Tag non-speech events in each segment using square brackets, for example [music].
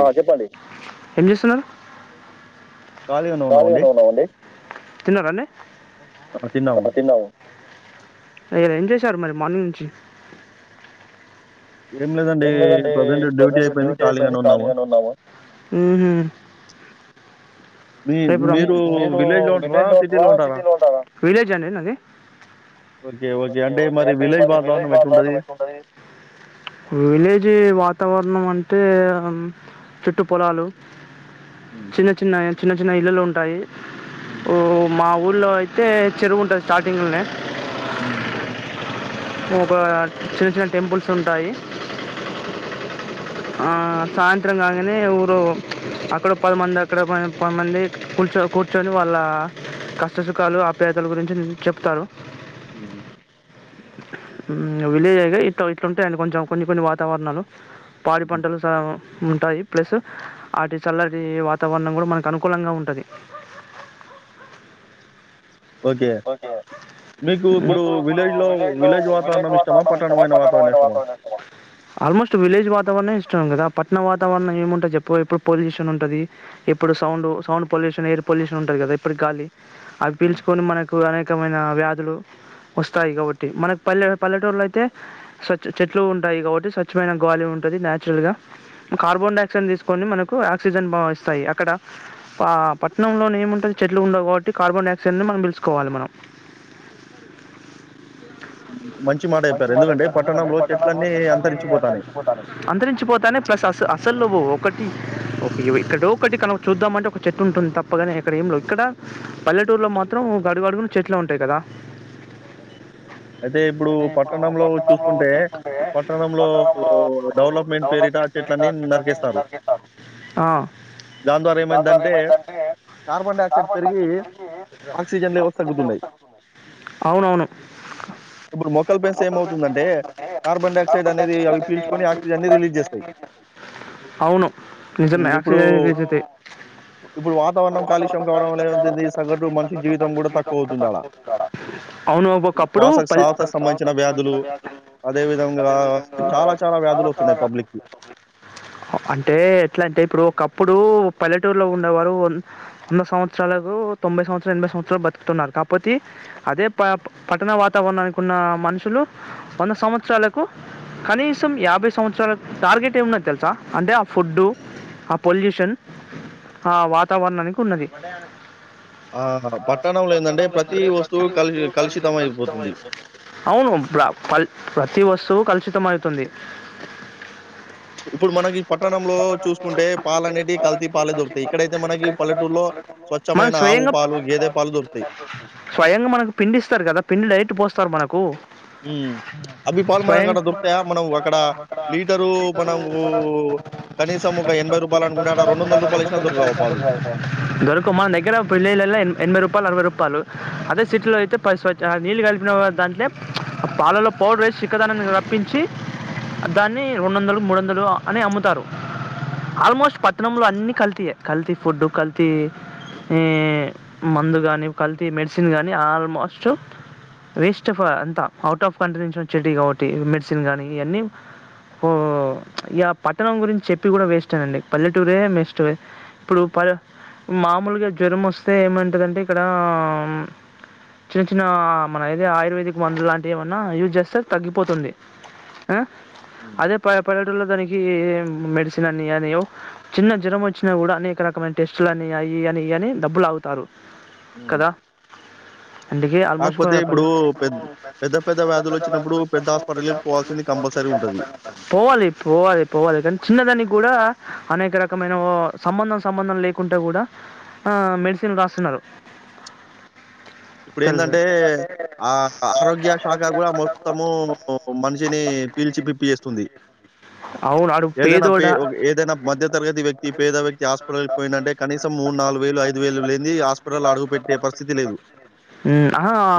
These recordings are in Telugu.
ఆ చెప్పండి ఏం చేస్తున్నారు ఖాలీగానే ఉన్నామండి తిన్నార అండి తిన్నా అం ఎంచేస్తు సార్ మరి మార్నింగ్ నుంచి ఏం లేదండి ప్రజెంట్ డ్యూటీ అయిపోయింది ఖాళీగానే ఉన్నాము మ్ హ్మ్మ్ మీ మీరూ విలేజ్ లో ఉంట్రా సిటీలో ఉంటరా, ఒకే ఒకే అంటే మరి విలేజ్ ల వాతావరణం ఎట్లుంటది. ణం అంటే హమ్ చుట్టు పొలాలు చిన్న చిన్నయ్ చిన్న చిన్న ఇళ్లల్లో ఉంటాయి ఓ మావ్ ఊర్ళో అయితే చెరువుంటది స్టార్టింగ్లోనే హ్మ్ [unintelligible] చిన్న చిన్న టెంపుల్స్ ఉంటాయి. ఆ సాయంత్రం కాగనే ఊర్లో వో ప్చ్ అక్కడ పదిమంది, అక్కడ పనెన్ పద్ మంది కూర్చొ కూర్చొని, వాళ్ళా కష్టసుఖాలు ఆప్యాయతల గురించి చెప్తారు. హ్మ్ హ్మ్ ఇంగ విలేజ్ అయితే ఇట్లా ఇట్లుంటాయండి. కొంచెం కొన్ని కొన్ని వాతావర్ణాలు పాడి పంటలు సాము ముంటాయి ప్లస్ ఆటి చల్లటి, వాతావరణం కూడా మనకు అనుకూలంగా ఉంటది. ఆల్మోస్ట్ విలేజ్ వాతావర్నే ఇష్ చ్చో ఉందిగా పట్న వాతావరణం ఏముంటది. జెప్పు ఎప్పుడు పొల్యూషన్ ఉంటది. ఎప్పుడు sound sound pollution, air pollution ఉంటది. గదా ఎప్పుడిగాలి అవ్ పిల్చుకొను మనక్ ప్పుడు అనేఖమైనా వ్యాధులు వస్తాయ్ గావట్టి మనక్ పల్లె పల్లెటూరులో అయితే స్వచ్చ్ చెట్లు ఉంటాయి. గావట్టి స్వచ్ఛమైన గాలి ఉంటది. న్యాచురల్ గా కార్బన్ డైఆక్సైడ్ తీసుకొని, మనకు ఆక్సిజన్ బా ఇస్తాయి. అక్కడ పా ఆ పట్నంలోనే ఏముంటది. చెట్లు ఉండవు. కావట్టి కార్బన్ డయాక్సైడ్ ను మనం బీల్చ్ కోవాల్లే మనం మంచి మాట చెప్పారు. ఎందుకంటే పట్టణంలో చెట్లన్నీ అంతరించిపోతాన్నయ్ అసల్ నువ్ ఒకటి ఒకే ఇగ ఇక్కడో, ఒకటి కనుక చూద్దామంటే, ఒక చెట్టు ఉంటుంది. తప్పగానే ఇక్కడ ఏమి లేవు. ఇక్కడ పల్లెటూరులో మాత్రం దగడుగడుగున్ చెట్లే ఉంటయ్ కదా అయితే ఇప్పుడు పట్టణంలో చూసుకుంటే పట్టణంలో, ఇప్పుడు డెవలప్మెంట్ పేరిట ఆ చెట్లన్నిన్ నరికిస్తారు. దాని ద్వారా ఏమైందంటే, కార్బన్ డయాక్సైడ్ పెరిగి టేన్ లే వోస్సర్ గుద్దున్నాయ్ ఇప్పుడు మొక్కల్ బెన్స్ ఏమవుతుందంటే, కార్బన్ డైఆక్సైడ్ అనేది, అవి పీల్చుకుని ఆక్సిజన్ ది రిలీజ్ జేస్తయ్. హ్మ్ ఇప్పుడూ ఇప్పుడు వాతావరణం కాలుష్యం గావడం వల్ల [unintelligible] సగటు మనిషి జీవిత్ అవును ఆబో ఇప్పుడూ పల్ అంటే ఎట్లా అంటే, ఇప్పుడు ఒకప్పుడూ పల్లెటూర్లో ఉండేవారు వున్ వంద సంవత్సరాలకు, తొంభై సంవత్స్ [unintelligible] సంవత్సరాలు బతుకుతున్నారు కాకపోతీ, అదే పాప్ప్ పట్టణ వాతావరణానికి ఉన్న, మనుషులు వంద సంవత్సరాలకు కనీసం యాభై సంవత్సరాలక్ టార్గెట్ ఏమున్నది. తెల్సా అంటే ఆ ఫుడ్డు ఆ పొల్యూషన్ ఆ వాతావర్ణానికి ఉన్నది. అవునుమ్ బ్రవ్ పల్ల్ ప్రతీ వస్ స్తువు కల్షితమైతుంది. ప్చ్ ఇప్పుడు మనకి పట్టణంలో చూసుకుంటే, పాల అనేటి కల్తీ పాలే దొరుకుతాయ్, ఇక్కడైతే మనకి పల్లెటూర్లో స్వచ్ఛమైన ఆవు పా స్వయంగా మనకు పిండి ఇస్తారు, కదా పిండి డైరెక్ట్ పోస్తారు. మనకూ స్వయంగ్ దొరకవ్ మనం దగ్గర పిల్లెలల్ ఎనభై రూపాయలు అరవై రూపాయలు అదే సిటీలో అయితే ప స్వచ్ నీళ్ళు కలిపిన దాంట్లో పాలల్లో పౌడర్ వేసి చిక్కదానానికి రప్పించి దాన్ని రొండు వందలు మూడు వందలు అని అమ్ముతారు ఆల్మోస్ట్ పట్టణంలో అన్నీ కల్తీయే కల్తీ ఫుడ్డు కల్తీ మందు కాని కల్త మెడిసిన్ కానీ ఆల్మోస్ట్ వెస్ట్ ఆఫ్ అంతా అవుట్ ఆఫ్ కంట్రీ నుంచి వచ్చేటివి కాబట్టి మెడిసిన్ కాగానీ ఇవన్నీ ఇ పట్టణం గురించి చెప్పి కూడా వేస్ట్ అనండి పల్లెటూరే మెస్ట్ ఇప్పుడు పల్ మామూలుగా జ్వరం వస్ తే ఏమంటుందంటే ఇక్కడ చిన్న చిన్న ఆన్మన ఏద ఆయుర్వేదిక్ మందులు లాంటివి ఏమన్నా యూజ్ చేస్తే తగ్గిపోతుంది ఆ అదే పది ప [unintelligible] దానికి మెడిసిన్ అని అని చిన్న జ్వరం వచ్చినా కూడా అనేక రకమైన టెస్ట్లు అయి యి గియి అని అని డబ్బులు లాగు తారు మ్మ్ అందుకే ఆల్మోస్ట్ పల్లె చెప్పాలి పోవాలి పోవాలి పోవాలి కానీ చిన్నదానికి కూడా అనేక రకమైన ఓ సంబంధం సంబంధం లేకుంట కూడా ఆ మేడ్స్ సన్ రాస్తున్నారు ఇప్పుడు ఎందంటే ఆ ఆరోగ్య శాఖ కూడా మొత్తము మనిషిని పీల్చి పిప్పి చేస్తుంది. ఏదైనా ప ఏదైనా మధ్య తరగతి వ్యక్తి పేద వ్యక్తి హాస్పిటల్కి పోయిండంటే కనీసం మూడు నాలుగు వేలు ఐదు వేలు లే అండి హాస్పిటల్ల్లో అడుగు పెట్టే పరిస్థితి లేదు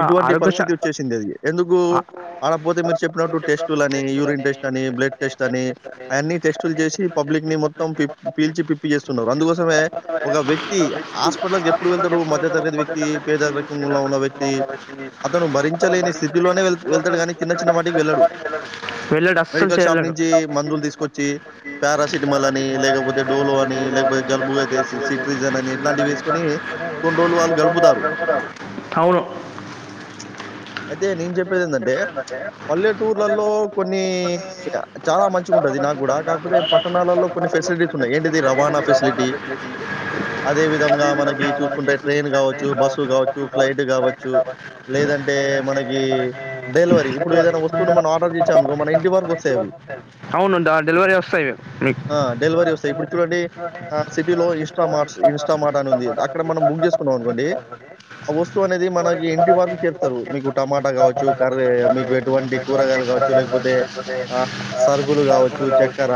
ఇటువంటి పరిస్థితి వచ్చేసింది అది ఎందుకు ఆడ పోతే మీరు చెప్పినట్టు టెస్టులు అని యూరిన్ టెస్ట్ అని బ్లడ్ టెస్ట్ అని అయన్ని టెస్టులు చేసి పబ్లిక్ ని మొత్తం పి పీల్చి పిప్పి చేస్తున్నారు అందుకోసమే ఒక వ్యక్తి హాస్టపా ఇప్పుడు వెళ్తారూ మధ్య తరగతి వ్యక్తి పేద వ్య వెళ్ళైతే అస్సల్ చెయ్యలేడు [inaudible] అయితే నేను చెప్పేది ఏందంటే పల్లెటూర్లలో కొన్ని చాలా మంచిగా ఉంటది నాకు కూడా కాకపోతే పట్టణాలలో కొన్ని ఫెసిలిటీస్ ఉన్నాయి ఏంటిది రవాణా ఫెసిలిటీ అదేవిధ మనకి చూసుకుంటే ట్రైన్ కావచ్చు బస్సులు కావచ్చు ఫ్లైట్ కావచ్చు లేదంటే మనకి డెలివరీ ఇప్పుడు ఏదన్నా వస్తువును మనం ఆర్డర్ ఇచ్చామనుకో మనం ఇంటి వరకూ వస్తాయవి ఆ డెలివరీ వస్తాయి ఇప్పుడు చూడండి సిటీలో ఇన్స్ట మార్ట్ ఇన్స్టామా కానుంది అక్కడ మనం బుక్ చేసుకున్నాం అనుకోండి ఆ వస్తువు అనేది మనకి ఇంటి వరకు చేరుస్తారు మీకు టమాటా కావచ్చు కర్రే మీకు ఎటువంటి కూరగాయలు కావచ్చు లేకపోతే ఆ సరుకులు కావచ్చు చక్కెర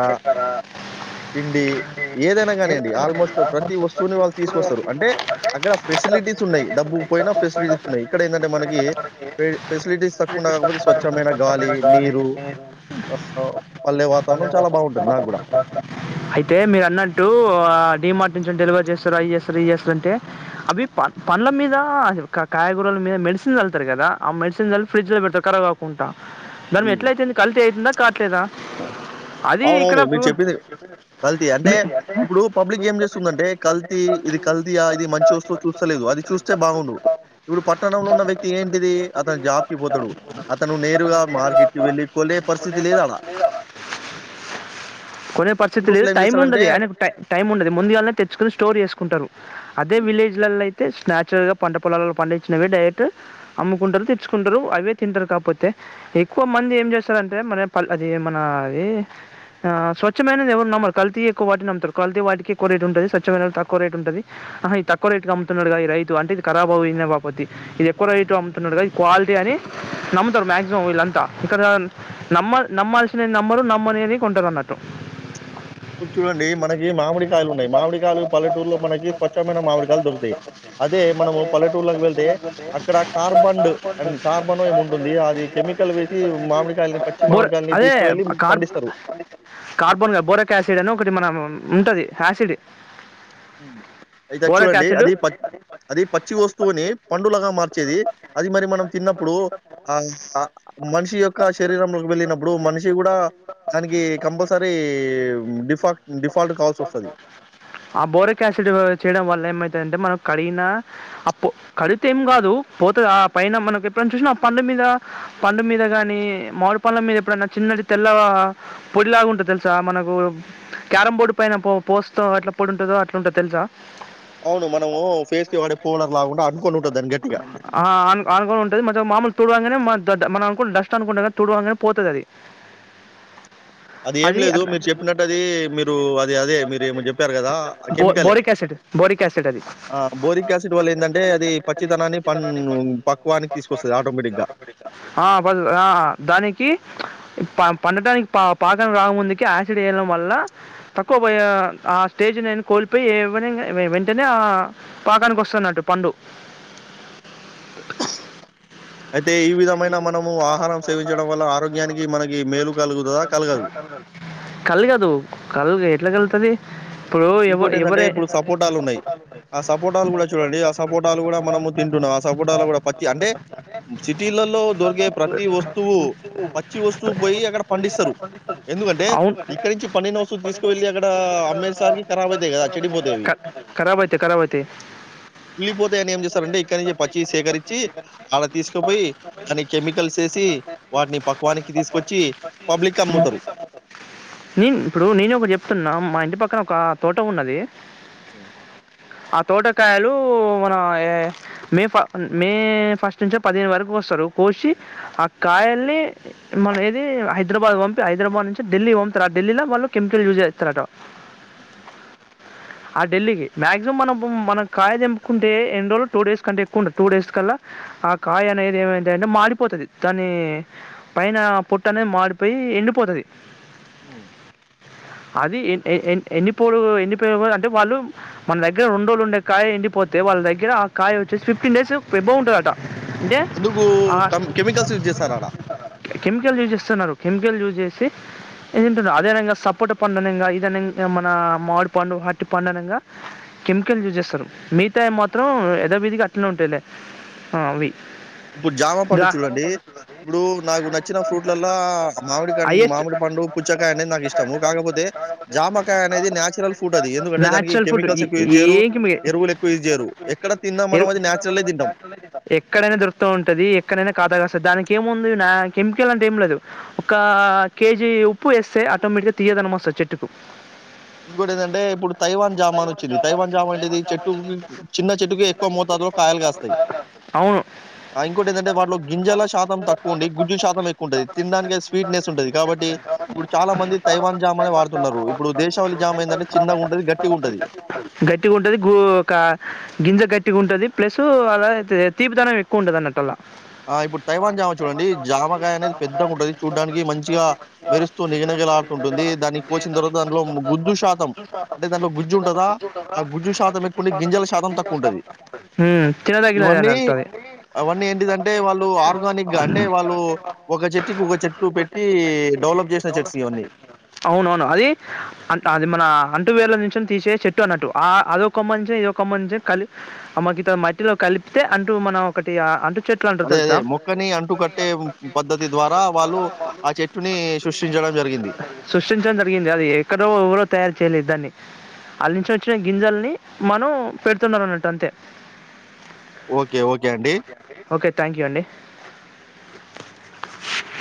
పిండి ఏదైనా కానీయండి ఆల్మోస్ట్ ప్రతి వస్తువుని వాళ్ళ తీసుకొస్తారు అంటే అక్కడ ఫెసిలిటీస్ ఉన్నాయి అయితే మీరు అన్నట్టు డి మార్ట్ నుంచి డెలివర్ చేస్ త్తరు అవి జేస్తారు ఇవి జేస్తారు అంటే అవి ప- పండ్ల మీద క-కాయగూరల మీద మెడిసిన్ జళ్తారు కదా ఆ మెడిసిన్ జల్లి ఫ్రిడ్జ్ లో పెడతారు కరాబ్ కాకుంటా దాని మీది ఎట్లా అయతుంది కల్తీ అవుతుందా కాట్లేదా అది ఇక్కడ ఫ్రూట్స్ మీ [unintelligible] కొనే పరిస్తితి లేదు టైమ్ ఉండది అదే టై టైమ్ ఉండది ముందగాల్నే తె త్రూ స్టోర్ చేసుకుంటారు అదే విలేజ్ లల్లైతే జస్ట్ న్యాచురల్ గా పంట పొలాలలో పండించినవే డైరక్ట్ అమ్ముకుంటారు తెచ్చుకుంటారు అవే తింటారు కాకపోతే ఎక్కువ మంది ఏంజేస్తారంటే మన పల్లె అదీ మన అదీ ఆఆ స్వచ్ఛమైనది ఎవరు నమ్మరు కల్తీయే ఎక్కువ వాటిని నమ్ముతారు కల్తీ వాటికి ఎక్కువ రేటు ఉంటది స్వచ్ చ్చమైనవి తక్కువ రేటు ఉంటది ఆహా ఇది తక్కువ రేటుకు అమ్ముతున్నాడుగా ఈ రైతు అంటే ఇదిఖరాబ్ అయిన బాపతి ఇది ఎక్కువ రైటు అమ్ముతున్నాడుగా ఇది క్వాలిటీ అని నమ్ముతారు మాక్సిమం వీళ్ళంతా ఇక్కడ నమ్మ నమ్మాల్సినవి నమ్మరు నమ్మనేది కొంటారు అన్నట్టు ఇప్పుడు చూడండి మనకి మామిడి కాయలు ఉన్నాయి మామిడి కాయలు పల్లెటూరులో మనకి స్వచ్ఛమైన మామిడికాయలు దొరుకుతాయి అదే మనము పల్లెటూరులోకి వెళ్తే అక్కడ కార్బన్డ్ అండ్ కార్బనో ఏమి ఉంటుంది అది కెమికల్ వేసి మామిడికాయలని పచ్చి మామిడికాయలని తీసుకువెళ్ళి పండిస్తారు బోరిక్ యాసిడ్ అని ఒకటి మనం ఉంటది యాసిడ్ అయితే చూడండి అది పచ్చ్ అది పచ్చి వస్తువుని పండులాగా మార్చేది అది మరి మనం తిన్నప్పుడు ఆఆ మనిషి యొక్క శరీరంలోకి వెళ్ళినప్పుడు మనిషి కూడా దానికి కంపల్సరీ డిఫాట్ డిఫాల్ట్ కావాల్సి వస్తది. ఆ బోరక్ యాసిడ్ చేయడం వల్ల ఏమైతదంటే మనం కడిగిన అప్పు కడిగితే ఏం కాదు పోతది ఆ పైన మనకు ఎప్పుడైనా చూసినా పండు మీద పండు మీద గాని మామిడి పండ్ల మీద ఎప్పుడైనా చిన్నటి తెల్ల పొడిలాగా ఉంటది తెలుసా మనకు క్యారంబోర్డు పైన పో పోస్ సో ఎట్ల పొడుంటదో అట్లుంటది తెలుసా అవును మనము ఫేస్ కి వాడే పౌడర్ లాగుండా అంటుకొని ఉంటది దాన్ని గట్టిగా మనం అనుకుంటాం డస్ట్ అనుకుంటాం కాని తూడ్వంగానే పోతది అది అది ఏం లేదు మీరు చెప్పినట్టు అది మీరు అది అదే మీరు ఏమో చె చెప్పారు కదా కెమికలే ఆ బోరిక్ యాసిడ్ వల్ల ఏందంటే అది పచ్చితనాన్ని పన్ను పక్వానికి తీసుకొస్తది ఆటోమేటిక్గా పా పండడానికి పా పాకం రాకముందుకి యాసిడ్ ఏయడం వల్ల తక్కువ పోయా ఆ స్టేజ్ నేను కోల్పోయి ఏవనగా వెంటనే ఆ పాకానికి వస్తున్నట్టు పండు కళగదు కల్ ఎట్లా కలుగుతుది ఇంకోటి ఏంటంటే ఇప్పుడు సపోటాలు ఉన్నాయి ఆ సపోటాలు కూడా చూడండి ఆ సపోటాలు కూడా మనము తింటున్నాం ఆ సపోటాలు కూడా పత్తి అంటే సిటీలలో దొరికే ప్రతి వస్తువు పచ్చి వస్తువు పోయి అక్కడ పండిస్తారు ఎందుకంటే ఇక్కడ నుంచి పండిన వస్తువు తీసుకువెళ్ళి అక్కడ ఆ మే సార్కి కరాబ్ అయితాయి కదా చెడిపోతావి కుళ్ళిపోతాయని ఏం చేస్తారుంటే ఇక్కడి నుంచి పచ్చి సేకరించి అడ తీసుకపోయి దాని కెమికల్స్ వేసి వాటిని పక్వానికి తీసుకొచ్చి పబ్లిక్ అమ్ముతరు ఇంటి పక్కన ఒక తోట ఉన్నది హ ఆ తోటకాయలు మన మే మే ఫస్ట్ నుంచి పదిహేను వరకు వస్తారు కోసి ఆ కాయల్ని మన ఏది హైదరాబాద్ పంపి హైదరాబాద్ నుంచి ఢిల్లీ పంపుతారు ఆ ఢిల్లీలో వాళ్ళు కెమికల్ యూజ్ చేస్తారట ఆ ఢిల్లీకి మాక్సిమం మనం మనకు కాయ తెంపుకుంటే ఎన్ని రోజులు టూ డేస్ కంటే ఎక్కువుండదు టూ డేస్ కల్లా ఆ కాయ అనేది ఏమైంటి అంటే మాడిపోతుంది దాని పైన పొట్టు అనేది మాడిపోయి ఎండిపోతది ఉమ్ అది ఎం ఏ ఏ ఎన్ని పోలు ఎన్ని పయోగాలు అంటే వాళ్ళు మన దగ్గర రొండ్ రోజులు ఉండే కాయ ఎండిపోతే వాళ్ళ దగ్గర ఆ కాయ వచ్చేసి ఫిఫ్టీన్ డేస్ ఎబో ఉంటదట ఎందుకూ కం కెమికల్స్ యూజ్ చేస్తార అడ కె మికల్ యూస్ జేసీ ఏంటి అదనంగా సపోట పండనంగా ఇ నం మన మామిడి పండు హటి పండు అనంగా కెమికల్ యూజ్ చేస్తారు మిగతాయి మాత్రం యదోవిధిగా అట్నే ఉంటాయిలే ఆ అవి ఇప్పుడు జామ పండు చూడండి ఇప్పుడు నాకు నచ్చిన ఫ్రూట్లలో మామిడి కం మామిడి పండు పుచ్చకాయ అనేది నాకు ఇష్టము కాకపోతే జామకాయ అనేది నాచురల్ ఫుడ్ అది ఎందుకంటే దానికి కెమికల్స్ ఎక్కువ యూ జ్ చేయరు ఎరువులు ఎక్కువ యూజ్ చేయరు ఎక్కడ తిన్నా మనం అది నచురల్ గా తింటాం ఉంటది ఎక్కడనైనా కాదాస్త దానికి ఏముంది నా కెమికల్ అంటే ఏం లేదు ఒక కేజీ ఉప్పు వేస్తే ఆటోమేటిక్గా తీయదన వస్తది చెట్ ట్టుకు ఇంకోటి ఏందంటే ఇప్పుడు తైవాన్ జామా అన్ వచ్చింది తైవాన్ జామా ఏంటిది చెట్టు చిన్న చెట్టుకి ఎక్కువ మోతాదులో కాయలుగా కాస్తాయి ఆ ఇంకోటి ఏంటంటే వాటిలో గింజల శాతం తక్కువ ఉండి గుజ్జు శాతం ఎక్కువ ఉంటుంది తినడానికి స్వీట్నెస్ ఉంటుంది కాబట్టి ఇప్పుడు చాలా మంది తైవాన్ జామా నే వాడు తున్నరు ఇప్పుడు గట్టిగా ఉంటది గు ఒక గింజ గట్టిగా ఉంటది. ప్లస్ అలా తీపి దానం ఎక్కువ ఉంటంది అన్నట్టు అల్లా ఆ ఇప్పుడు తైవాన్ జామా చూడండి జామకాయ అనేది పెద్దగా ఉంటుంది చూడ్డానికి మంచిగా మెరుస్తూ నిగనగలాడుతుంటుంది దానిక కోసిన తర్వాత దాంట్లో గుజ్జు శాతం అంటే దాంట్లో గుజ్జు ఉంటుదా ఆ గుజ్జు శాతం ఎక్కుండి గింజల శాతం తక్కువ ఉంటది ఇవన్నీ అవన్నీ ఏంటిదం అంటే వాళ్ళు ఆర్గానిక్ గా అంటే వాళ్ళు ఒక చెట్టుకి ఒక చెట్టు పెట్టి డెవలప్ చేసిన చెట్స్ ఇవన్నీ కూనం అది అ అది మన అంటు వేర్ల ను తీసే చెట్టు అన్నట్టు ఆ అదొకోమంచే ఇదొకమ్మ నుంచే కకి ఆ గింతంత మట్టిలో కలిపితే అంటూ మనం ఒకటి అంటు అదే అదే మొక్కని అంటుకట్టే పద్ధతి ద్వారా వాళ్ళు ఆ చెట్టుని సృష్టించడం జరిగింది. సృష్టించడం జరిగింది అది ఎక్కడో ఎవరో తయారు చేయలేదు దాన్ని అళ్ళ నుంచి వచ్చిన గింజల్ని మనం పెడుతున్నా అన్నట్టు అంతే ఓకే థ్యాంక్ యూ అండి